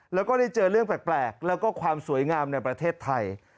แล้วก็ได้เจอเรื่องแปลกแล้วก็ความสวยงามในประเทศไทย